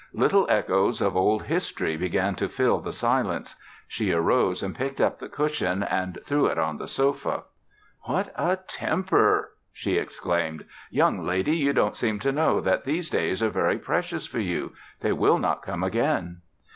Little echoes of old history began to fill the silence. She arose and picked up the cushion and threw it on the sofa. "What a temper!" she exclaimed. "Young lady, you don't seem to know that these days are very precious for you. They will not come again."